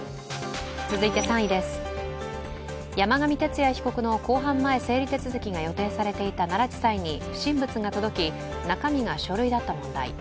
続いて３位です、山上徹也被告の公判前整理手続が予定されていた奈良地裁に不審物が届き中身が書類だった問題。